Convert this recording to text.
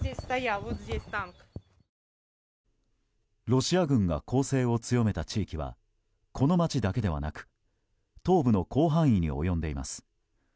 ロシア軍が攻勢を強めた地域はこの街だけではなく東部の広範囲に及んでいます。